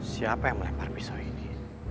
siapa yang melempar pisau ini